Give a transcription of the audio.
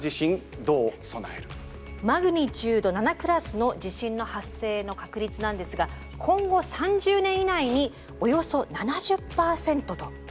マグニチュード７クラスの地震の発生の確率なんですが今後３０年以内におよそ７０％ということになっています。